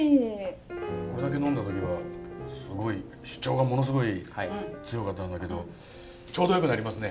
これだけ呑んだ時はすごい主張がものすごい強かったんだけどちょうどよくなりますね